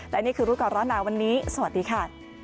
และนี่คือรูปกรณาวันนี้สวัสดีค่ะ